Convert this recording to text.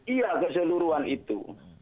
iya keseluruhan itu